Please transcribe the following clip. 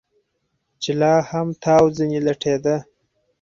چې لا هم تاو ځنې لټېده.